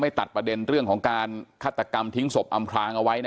ตัดประเด็นเรื่องของการฆาตกรรมทิ้งศพอำพลางเอาไว้นะ